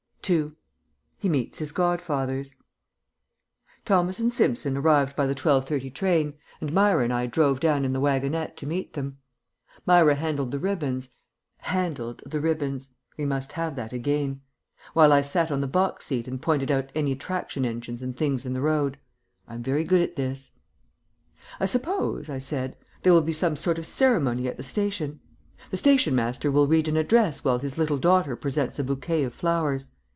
II. HE MEETS HIS GODFATHERS Thomas and Simpson arrived by the twelve thirty train, and Myra and I drove down in the wagonette to meet them. Myra handled the ribbons ("handled the ribbons" we must have that again) while I sat on the box seat and pointed out any traction engines and things in the road. I am very good at this. "I suppose," I said, "there will be some sort of ceremony at the station? The station master will read an address while his little daughter presents a bouquet of flowers.